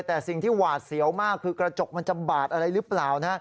แต่สิ่งที่หวาดเสียวมากคือกระจกมันจะบาดอะไรหรือเปล่านะ